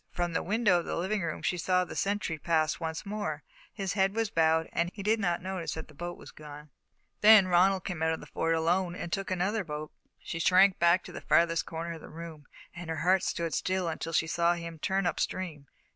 From the window of the living room she saw the sentry pass once more. His head was bowed and he did not notice that a boat was gone. Then Ronald came out of the Fort alone and took another boat. She shrank back to the farthest corner of the room, and her heart stood still until she saw him turn up stream.